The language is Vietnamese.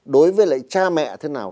đối với lại cha mẹ thế nào